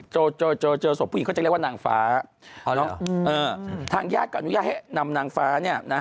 เจอเจอศพผู้หญิงเขาจะเรียกว่านางฟ้าทางญาติก็อนุญาตให้นำนางฟ้าเนี่ยนะฮะ